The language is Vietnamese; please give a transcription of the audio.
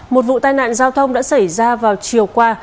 một vụ tai nạn giao thông đã xảy ra vào chiều qua